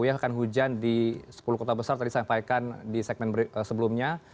ya akan hujan di sepuluh kota besar tadi saya sampaikan di segmen sebelumnya